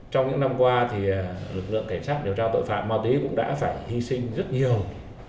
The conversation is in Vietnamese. trong những năm qua thì lực lượng cảnh sát điều tra tội phạm ma túy cũng đã phải hy sinh rất nhiều